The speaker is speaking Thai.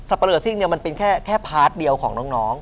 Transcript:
สับประโยชน์ที่มันเป็นแค่พาร์ทเดียวของน้อง